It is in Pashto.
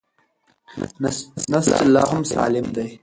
نسج لا هم سالم دی.